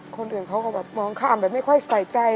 คนอื่นเขาก็แบบมองข้ามแบบไม่ค่อยใส่ใจ